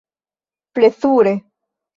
Plezure.